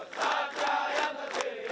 sati ayam dan jirik